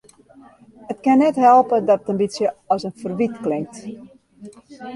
Ik kin it net helpe dat it in bytsje as in ferwyt klinkt.